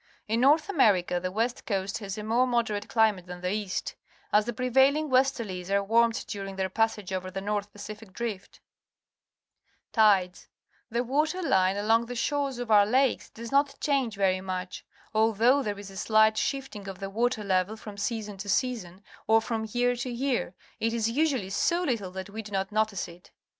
In North America the west coast has a more moderate climate than the east, as the prevailing westerlies are warmed during their passage over the North Pacific Drift. 50 PUBLIC SCHOOL GEOGRAPHY Tides. — The water line along the shores of our lakes does not change very much. Although there is a slight shifting of the water level from season to season or from year to year, it is usually so little that we do not notice it.